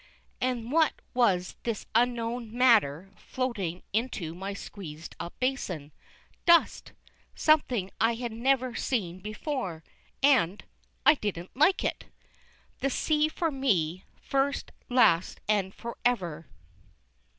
And what was this unknown matter floating into my squeezed up basin? Dust! Something I had never seen before, and I didn't like it! The sea for me, first, last, and forever!